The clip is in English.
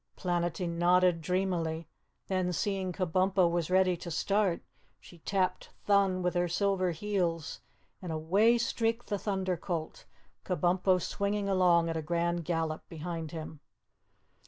Planetty nodded dreamily, then, seeing Kabumpo was ready to start, she tapped Thun with her silver heels and away streaked the Thunder Colt, Kabumpo swinging along at a grand gallop behind him.